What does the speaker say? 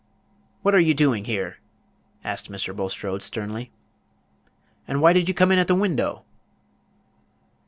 "What are you doing here?" asked Mr. Bulstrode, sternly; "and why did you come in at the window?"